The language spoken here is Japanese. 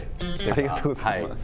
ありがとうございます。